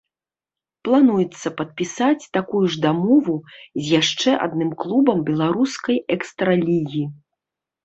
Плануецца падпісаць такую ж дамову з яшчэ адным клубам беларускай экстра-лігі.